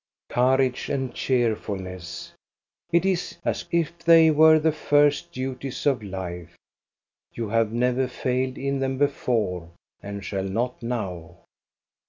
Courage and cheerfulness ! It is as if they were the first duties of life. You have never failed in them before, and shall not now.